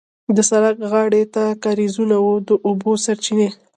د سړک غاړې ته کارېزونه وو د اوبو سرچینې.